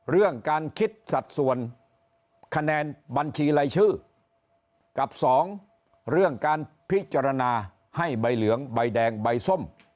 เรื่องการคิดสัดส่วนคะแนนบัญชีรายชื่อกับสองเรื่องการพิจารณาให้ใบเหลืองใบแดงใบส้ม